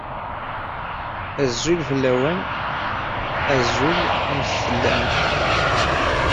Tebḍa-yasen-t-id.